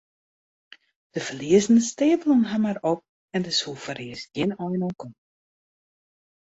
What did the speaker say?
De ferliezen steapelen har mar op en dêr soe foarearst gjin ein oan komme.